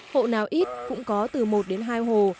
hộ nào ít cũng có từ một đến hai hồ